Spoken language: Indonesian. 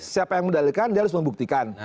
siapa yang mendalilkan dia harus membuktikan